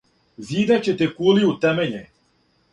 "Зидаће те кули у темеља!"